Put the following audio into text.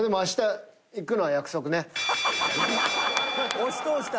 押し通した。